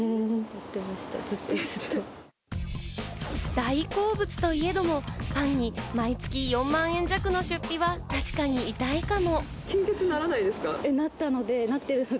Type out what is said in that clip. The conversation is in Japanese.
大好物といえどもパンに毎月４万円弱の出費は確かに痛いかも。